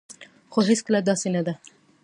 خو هيڅکله داسي نه ده